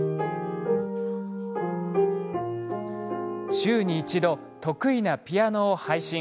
週に一度、得意なピアノを配信。